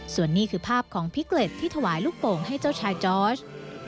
ส่วนนี้คือภาพของพิเกล็ดที่ถวายลูกโป่งให้เจ้าชายจอร์ช